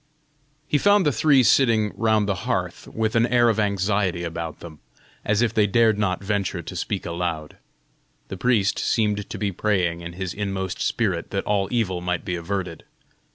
He found the three sitting round the hearth, with an air of anxiety about them, as if they dared not venture to speak aloud. The priest seemed to be praying in his inmost spirit that all evil might be averted.